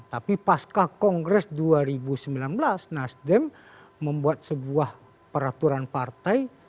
tapi pasca kongres dua ribu sembilan belas nasdem membuat sebuah peraturan partai